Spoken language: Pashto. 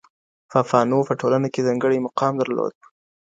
پاپانو په ټولنه کي ځانګړی مقام درلود.